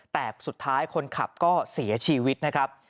แต่สุดท้ายคนขับก็เสียชีวิตนะครับ